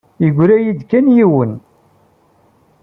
Yeggra-iyi-d kan yiwen.